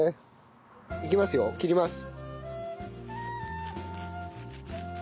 いきますよ切ります。